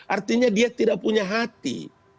artinya dia tidak punya hati